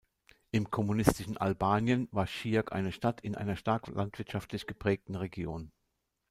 Im kommunistischen Albanien war Shijak eine Stadt in einer stark landwirtschaftlich geprägten Region.